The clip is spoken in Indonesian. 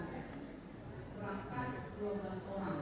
berangkat dua belas orang